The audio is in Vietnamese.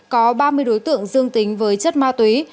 có ba mươi đối tượng dương tính với chất ma túy